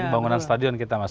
bangunan stadion kita mas